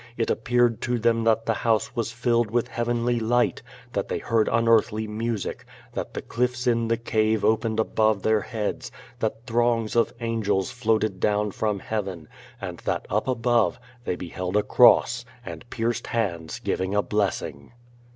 It appeared to them that the house was filled with heavenly light, that they heard unearthly music, that the cliffs in the cave opened above their heads, that throngs of angels fioated down from heaven, and that up above, they beheld a cross^ and pierced hands giving a blessing.